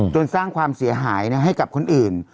สร้างความเสียหายให้กับคนอื่น